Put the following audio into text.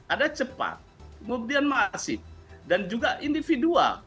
ada cepat kemudian masif dan juga individual